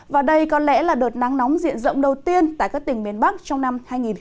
và đây có lẽ là đợt nắng nóng diện rộng đầu tiên tại các tỉnh miền bắc trong năm hai nghìn hai mươi